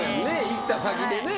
行った先でね。